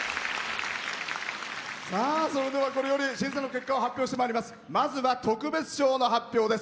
それでは、これより審査の結果を発表してまいります。